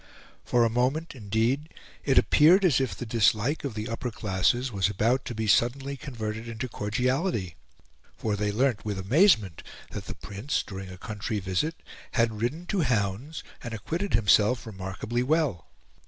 For a moment, indeed, it appeared as if the dislike of the upper classes was about to be suddenly converted into cordiality; for they learnt with amazement that the Prince, during a country visit, had ridden to hounds and acquitted himself remarkably well.